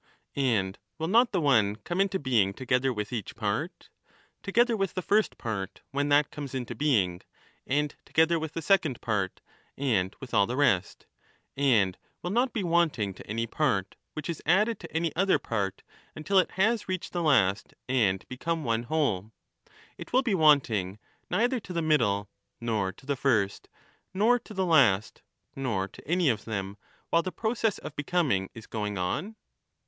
And will not the one come into being together with each part— together with the first part when that comes into being, and together with the second part and with all the rest, and will not be wanting to any part, which is added to any other part until it has reached the last and become one whole ; it will be wanting neither to the middle, nor to the first, nor to the last, nor to any of them, while the process of becoming is going on